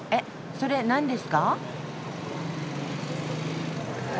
それ何ですか？